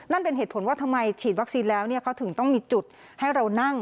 นั่นเป็นเหตุผลว่าทำไมฉีดวัคซีนแล้วเขาถึงต้องมีจุดให้เรานั่ง